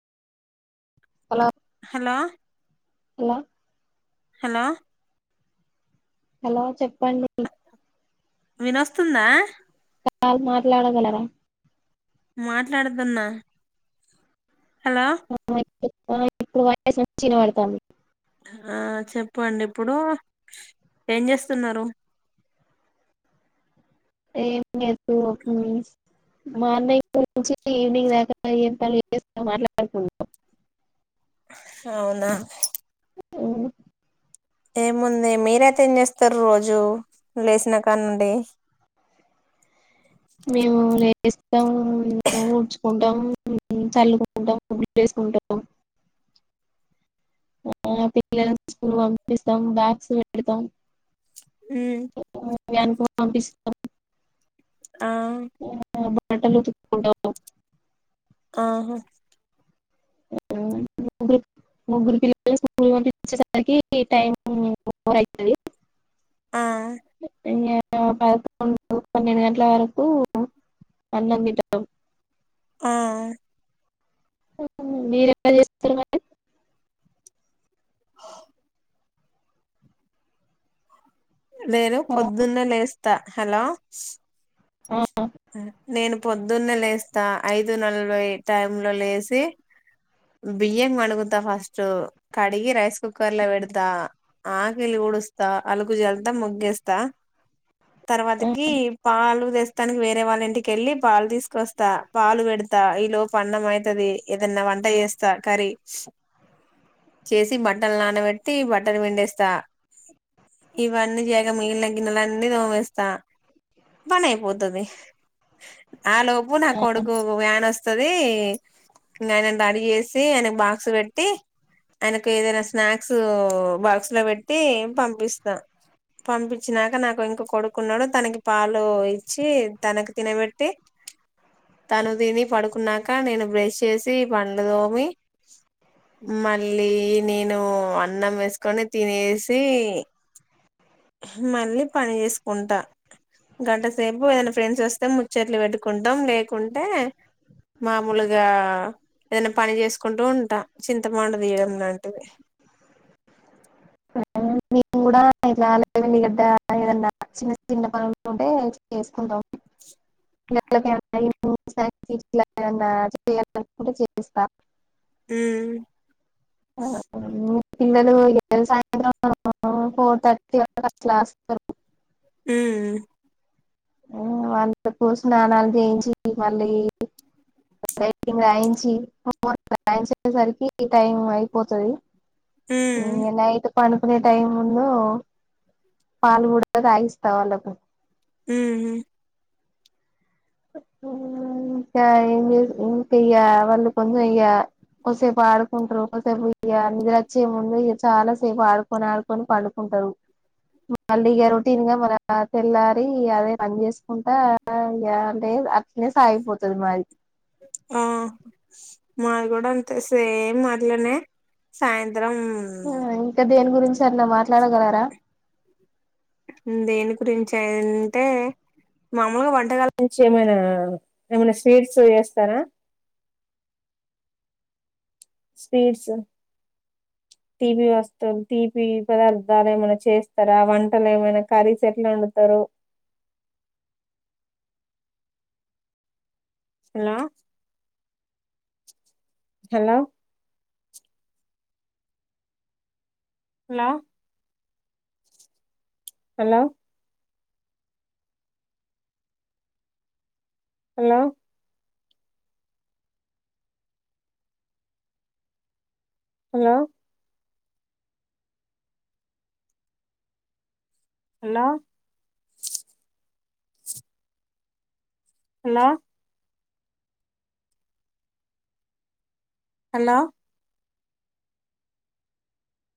అలా హలో ఎలా hello hello చెప్పండి వినొస్తుందా కాల్ మాట్లాడ గలరా మాట్లాడుతున్నా హలో ఇప్పుడు వాయిస్ మంచి గా వినబడుతాంది ఆ చెప్పండి ఇప్పుడు ఏం చేస్తున్నారు ఏమి మార్నింగ్ నుంచి ఈవినింగ్ దాకా ఏ పని చేయక మాట్లాడుకుంటూన్నాం అవునా మ్మ్ ఏముంది మీరయితే ఏం చేస్తారు రోజు లేచినా కాడి నుండి మేము లేసి ఊడ్చుకోం చల్లుకుంటాం పనులు చేసుకుంటాం ఆ పిల్లస్కూల్ పంపిస్తాం బ్యాగ్స్ పెడతాం ఉమ్ వ్యాన్ కు పంపిస్తాం ఆ బట్టలుఉతుక్కుంటాం ఆహా ముగ్గురు ముగ్గురు పిల ముగ్గురు పంపీచ్చచ్చేసరికి టైమ్ అయితది ఆ అ పదకండు పన్నెండు గంటల వరకు అన్నం తింటాం ఆ మీరు ఎలా చేస్తారు మరి ఓ నేను అలా పొద్దున్నే లేస్త హలో ఆ నేను పొద్దున్నే లేస్తా ఐదు నలబై టైం లో లేసి బియ్యం వణగుతా ఫస్ట్ కడిగి రైస్ కుక్కర్ లో పెడతా వాకిలి డుస్తా అలుగు జల్తా ముగ్గేస్తా తర్వాతకి పాలు దస్తానికి వేరే వాళ్ళ ఇంటికిెళ్ళి పాలు తీసుకొస్తా పాలు పెడతా ఈ లో పన్నం అయితది ఏదన్నా వంట వంట చేస్తా కర్రీ చేసి బట్టలు నానబెట్టి బట్టలు పిండేస్తా ఇవన్నీ చేక మిగిలిన గిన్నెలన్నీ దోమేస్తా పని అయిపోతుది ఆ లోబు నా ఆ కొడుకు వ్యాన్ వస్త సరే నైన రడీ జేసి ఆయనకు బాక్స్ పెట్టీ, ఆయనకు ఏదైనా స్నాక్సూ బాక్స్ లా పెట్టి పంపిస్తా. పంపించినాక నాకు ఇంకొ కొడుకున్నాడు తనకి పాలూ ఇచ్చి తనకు తినవెట్టి, తను తిని పడుకున్నాక నేను బ్రష్ చేసి పండ్లు తోమి, మళ్ళీ నేనూ అన్నం వేసుకొని తినేసి మళ్ళీ పని చేసుకుంటా. గంటసేపు ఏదైనా ఫ్రెండ్స్ వస్తే ముచ్చట్లు పెట్టుకుంటాం, లేకుంటే మామూలుగా ఏదన పని చేసుకుంటూ ఉంటా చింతపండు తియడం లాంటిది. మేము కూడా ఇట్ల అలం ఎల్లిగడ్డ ఏదన్నా చిన్న చిన్న పనులు ఉంటే చేసుకుంటాం. [inaudible] మ్మూ పిల్లలు [inaudible] ఫోర్ థర్టీ వరకు అట్లా అస్తరు హ్మ్ మ్మ్ వాళ్ళకు స్నానాలు చేయించి మళ్ళీ రైటింగ్ రాయించి, హోం వర్క్ రాయించేసరికి టైం అయిపోతది. ఉమ్ ఇంగ నైట్ పండుకునే టైంలో పాలు కూడా తాగిస్తా వాళ్ళకు. హ్మ్ హు ఇంకా ఏం చేస్ ఇంకా ఇగ వాళ్ళు [inaudible] కొంచ్సేపు ఆడుకుంటరు ఒకసేపు ఇక నిదుర అచ్చే ముందు ఇగ చాలా సేపు ఆడుకొని ఆడుకొని పండుకుంటరు. మళ్ళీ ఇగ రొటీన్ గా మ తెల్లారి అదే పని చేసుకుంటా ఇగా టే అట్నే సాగిపోతది మాది. ఆ మాది గూడ అంతే సేమ్ అట్లనే సాయం త్రం ట్లాడగలరా దేని గురించి అంటే, మామూలుగా వంటకాల నుంచి ఏమైనా, ఏమైనా స్వీట్స్ చేస్తరా? స్పీట్స్ తీపి వస్తులు తీపి పదార్థాలు ఏమైనా చేస్తరా, వంటలు ఏమైనా కర్రీస్ ఎట్లా ఒండుతరు? Hello hello hello hello hello hello hello hello hello